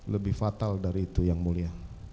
lebih fatal dari itu yang mulia